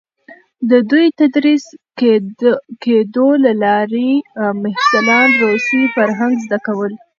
د دوی تدریس کېدو له لارې محصلان روسي فرهنګ زده کول.